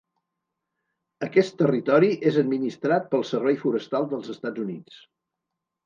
Aquest territori és administrat pel Servei Forestal dels Estats Units.